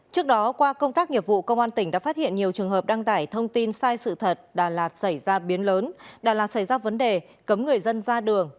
trước đó qua công tác nghiệp vụ công an tỉnh đã phát hiện nhiều trường hợp đăng tải thông tin sai sự thật đà lạt xảy ra biến lớn đà lạt xảy ra vấn đề cấm người dân ra đường